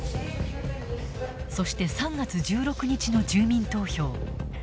そして３月１６日の住民投票。